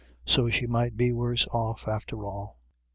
So she might be worse off after all.